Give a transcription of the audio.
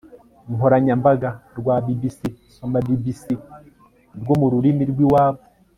nkoranyambaga rwa bbc (soma bibisi) rwo mu rurimi rw'iwabo